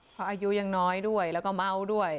เพราะอายุยังน้อยด้วยแล้วก็เมาด้วย